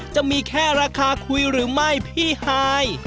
จะมีแค่ราคาคุยหรือไม่พี่ฮาย